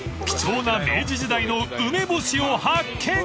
［貴重な明治時代の梅干しを発見］